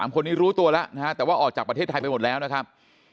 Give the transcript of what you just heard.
๓คนนี้รู้ตัวแล้วออกจากประเทศไทยไปหมดแล้วนะครับ